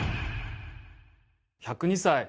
１０２歳！